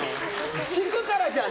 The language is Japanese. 聞くからじゃん！